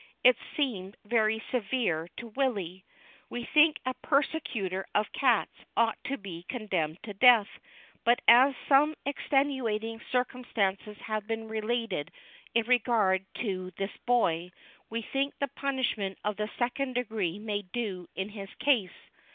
It seemed very severe to Willy :" We think a persecutor of cats ought to be con demned to death ; but as some extenuating circum 372 THE CHILDREN'S WONDER BOOK. stances have been related in regard to this Boy, we think the punishment of the second degree may do in his case.